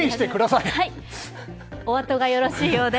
お後がよろしいようで。